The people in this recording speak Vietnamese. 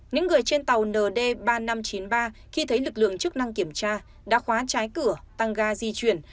những người trên tàu nd ba nghìn năm trăm chín mươi ba khi thấy lực lượng chức năng kiểm tra đã khóa trái cửa tăng ga di chuyển